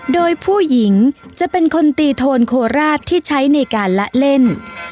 โดยผู้หญิงจะเป็นคนตีโทนโคราชที่ใช้ในการละเล่น